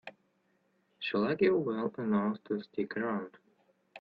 She likes you well enough to stick around.